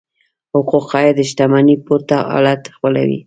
حقوق عاید شتمنۍ پورته حالت خپلوي.